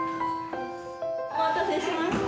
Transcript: お待たせしました。